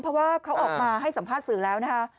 เพราะว่าเขาออกมาให้สัมภาษณ์สื่อแล้วนะคะ